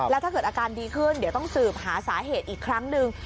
แล้วถ้าเกิดอาการดีขึ้นเดี๋ยวต้องสืบหาสาเหตุอีกครั้งหนึ่ง